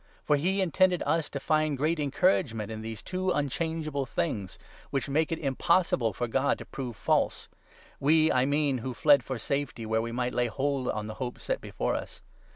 For he intended us to find great encouragement in these two 18 unchangeable things, which make it impossible for God to prove false — we, I mean, who fled for safety where we might lay hold on the hope set before us.